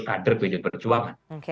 kader pdi perjuangan